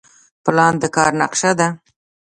پلان د کار نقشه ده